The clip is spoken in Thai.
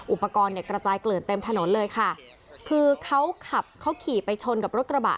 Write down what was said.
อุปกรณ์เนี่ยกระจายเกลื่อนเต็มถนนเลยค่ะคือเขาขับเขาขี่ไปชนกับรถกระบะ